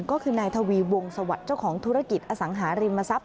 ก็คือนายทวีวงสวัสดิ์เจ้าของธุรกิจอสังหาริมทรัพย